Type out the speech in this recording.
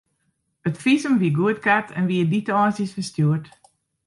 It fisum wie goedkard en wie dy tongersdeis ferstjoerd.